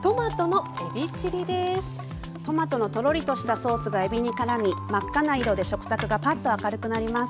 トマトのトロリとしたソースがえびにからみ真っ赤な色で食卓がパッと明るくなります。